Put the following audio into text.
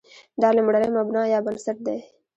دا لومړی مبنا یا بنسټ دی.